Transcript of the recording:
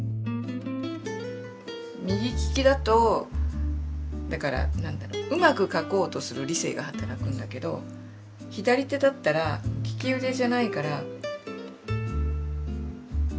右利きだとだから何だろううまく書こうとする理性が働くんだけど発想みたいなのが働くんで何かう